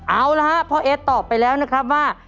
เอาละครับพ่อเอสตอบไปแล้วนะครับว่า